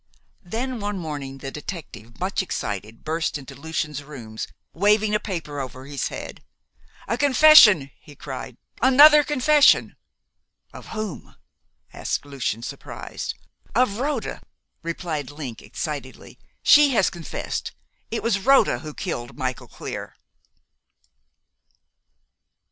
Then one morning the detective, much excited, burst into Lucian's rooms waving a paper over his head. "A confession!" he cried. "Another confession!" "Of whom?" asked Lucian, surprised. "Of Rhoda!" replied Link excitedly. "She has confessed! It was Rhoda who killed Michael Clear!"